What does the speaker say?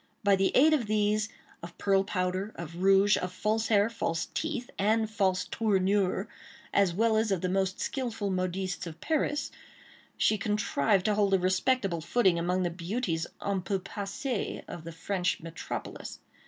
By the aid of these, of pearl powder, of rouge, of false hair, false teeth, and false tournure, as well as of the most skilful modistes of Paris, she contrived to hold a respectable footing among the beauties en peu passées of the French metropolis.